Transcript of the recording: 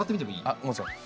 あもちろん。